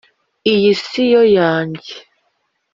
iyi si yo yanjye?!"